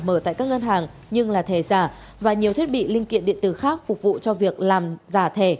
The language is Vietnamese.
mở tại các ngân hàng nhưng là thẻ giả và nhiều thiết bị linh kiện điện tử khác phục vụ cho việc làm giả thẻ